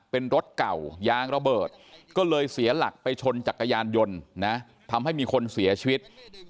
เป็นรถเก่ายางระเบิดก็เลยเสียหลักไปชนจักรยานยนต์นะทำให้มีคนเสียชีวิต